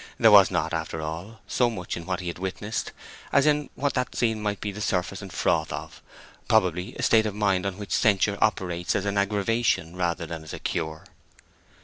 There was not, after all, so much in what he had witnessed as in what that scene might be the surface and froth of—probably a state of mind on which censure operates as an aggravation rather than as a cure.